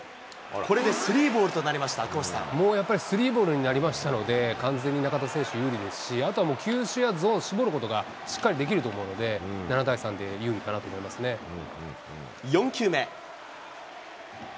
これでスリーボールとなりました、もうやっぱりスリーボールになりましたので、完全に中田選手、有利ですし、あとはもう球種やゾーン、絞ることがしっかりできると思うので、７対３で有利かなと４球目。